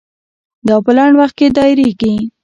دا په لنډ وخت کې دایریږي.